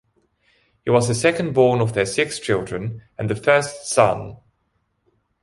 He was the second-born of their six children, and the first son.